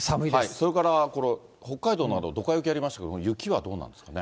それからこれ、北海道などドカ雪ありましたけど、雪はどうなんですかね。